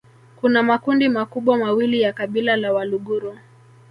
Kuna makundi makubwa mawili ya kabila la Waluguru